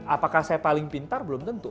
apakah saya paling pintar belum tentu